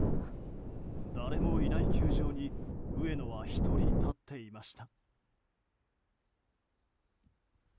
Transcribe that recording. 誰もいない球場に上野は１人、立っていました。